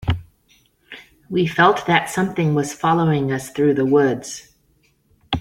We felt that something was following us through the woods.